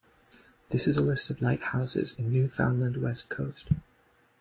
This is a list of lighthouses in Newfoundland West Coast.